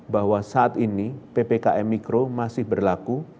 bahwa saat ini ppkm mikro masih berlaku